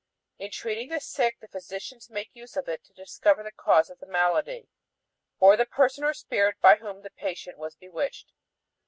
In treating the sick the physicians made use of it to discover the cause of the malady or the person or spirit by whom the patient was bewitched."